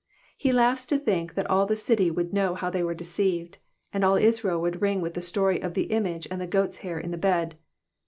He laughs to think that all the city would know how they were deceived, and all Israel would ring with the story of the image and the goats' hair in the bed.